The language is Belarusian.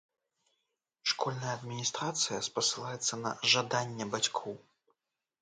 Школьная адміністрацыя спасылаецца на жаданне бацькоў.